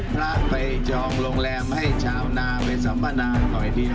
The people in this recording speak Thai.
พระไปจองโรงแรมให้ชาวนาไปสัมมนาหน่อยดี